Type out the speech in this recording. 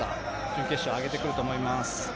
準決勝、上げてくると思います。